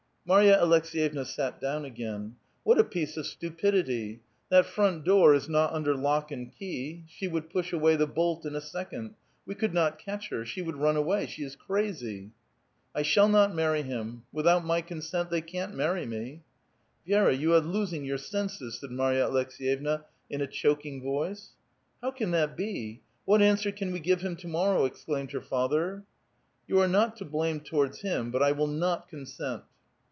Marya Aleks<;»yevna sat down again. "What a piece of stupidity ! that front door is not under lock and key ; she would i)ush away the bolt in a second ; we could not ketch her. She would run awav ! she is crazv !" ft ft " I shall not marry him ! Without my consent, they can't marry me !"" Vi6ra, you are losing: your senses," said Marya Aleks6 yevna in a clioking voice. "How can that be? What answer can we give him to morrow?" exclaimed her father. " You are not to blame towards him, but I will not con sent."